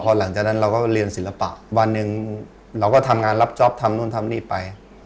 พอหลังจากนั้นเราก็เรียนศิลปะวันหนึ่งเราก็ทำงานรับจ๊อปทำนู่นทำนี่ไป